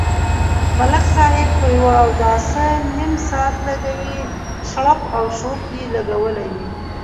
ملک صاحب په یوه اوداسه نیم ساعت لگوي، شړپ او شړوپ یې لگولی وي.